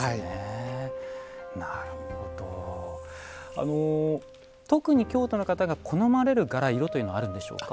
あの特に京都の方が好まれる柄色というのはあるんでしょうか？